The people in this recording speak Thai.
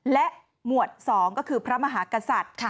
และหมวด๒ก็คือพระมหากษัตริย์